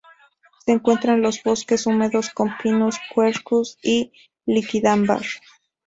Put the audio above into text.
Se encuentra en los bosques húmedos con "Pinus, Quercus" y "Liquidambar".